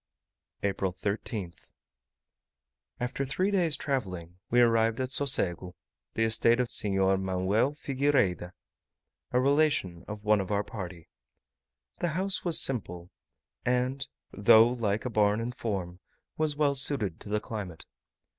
April 13th. After three days' travelling we arrived at Socego, the estate of Senhor Manuel Figuireda, a relation of one of our party. The house was simple, and, though like a barn in form, was well suited to the climate.